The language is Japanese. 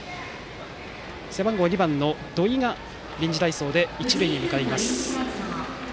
背番号２番の土井が臨時代走で一塁に向かいます。